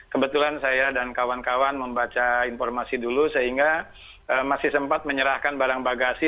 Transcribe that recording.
kebetulan saya dan kawan kawan membaca informasi dulu sehingga masih sempat menyerahkan barang bagasi